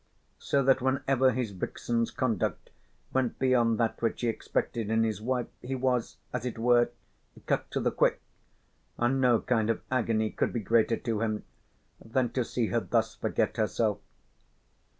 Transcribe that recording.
So that whenever his vixen's conduct went beyond that which he expected in his wife he was, as it were, cut to the quick, and no kind of agony could be greater to him than to see her thus forget herself.